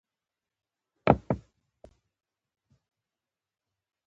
د ځانه د انسان زوی جوړ که.